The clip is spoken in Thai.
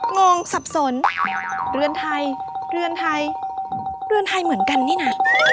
งงสับสนเรือนไทยเรือนไทยเรือนไทยเหมือนกันนี่นะ